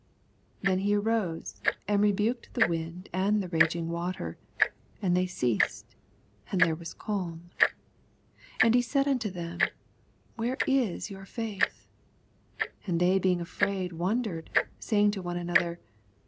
Then he arose, and rebuked the wind and the raffing of the water : and they ceased, ana there was a calm. 25 And he said unto them, Where is your fidth ? And they being afraid wondered, saying one to another.